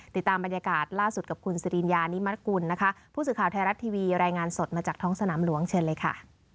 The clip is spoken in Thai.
ติดตามบรรยากาศล่าสุดกับคุณสิริญญานิมรกุลนะคะผู้สื่อข่าวไทยรัฐทีวีรายงานสดมาจากท้องสนามหลวงเชิญเลยค่ะ